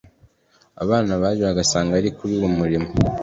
abana baje bagasanga ari kuri uwo murimo.